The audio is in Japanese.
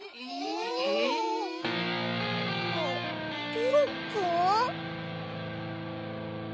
ピロくん？